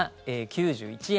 ９１円。